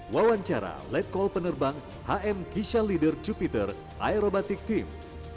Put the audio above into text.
wawancara let call penerbang hm kisah leader jupiter aerobatic team